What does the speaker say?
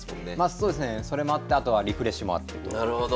そうですねそれもあってあとはリフレッシュもあってと。